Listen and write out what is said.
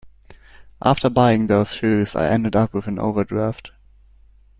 After buying those shoes I ended up with an overdraft